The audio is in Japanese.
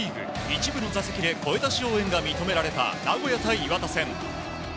一部の座席で声出し応援が認められた名古屋対磐田戦。